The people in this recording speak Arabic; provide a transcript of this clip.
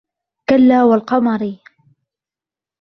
كَلاَّ وَالْقَمَرِ